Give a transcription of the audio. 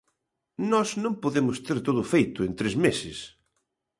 Nós non podemos ter todo feito en tres meses.